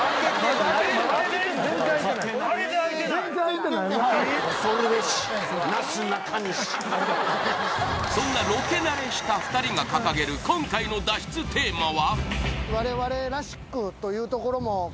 全然開いてないなそんなロケ慣れした２人が掲げる今回の脱出テーマは？